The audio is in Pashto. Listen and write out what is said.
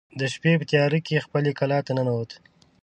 د شپې په تیاره کې خپلې کلا ته ننوت.